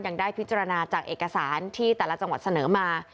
ยังได้พิจารณาจากเอกสารที่แต่ละจังหวัดเสนอมา